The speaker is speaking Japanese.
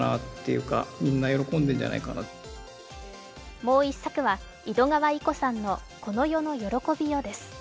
もう１作は、井戸川射子さんの「この世の喜びよ」です。